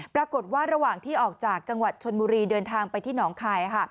ปรากฏว่าระหว่างที่ออกจากจังหวัดชนบุรีเดินทางไปที่หนองคาย